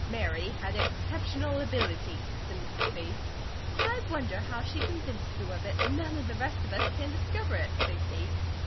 "Mary had exceptional ability," said Mrs. Bates. "I wonder how she convinced you of it. None of the rest of us can discover it," said Kate.